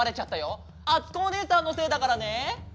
あつこおねえさんのせいだからね。